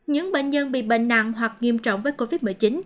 những bệnh nhân bị bệnh nặng hoặc nghiêm trọng với covid một mươi chín